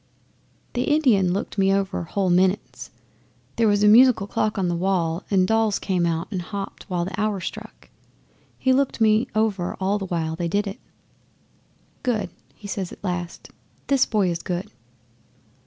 'The Indian looked me over whole minutes there was a musical clock on the wall and dolls came out and hopped while the hour struck. He looked me over all the while they did it. '"Good," he says at last. "This boy is good."